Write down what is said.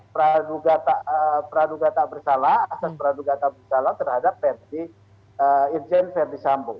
pradugata bersalah asas pradugata bersalah terhadap verdi irjen verdi sambo